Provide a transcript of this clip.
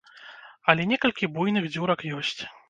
Але некалькі буйных дзюрак ёсць.